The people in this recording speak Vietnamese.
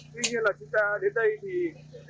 tuy nhiên là chúng ta đến đây thì